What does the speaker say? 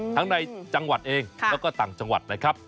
ในจังหวัดเองแล้วก็ต่างจังหวัดนะครับ